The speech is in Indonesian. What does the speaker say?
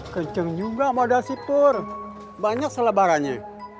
kenceng juga sama dasipur banyak selebarannya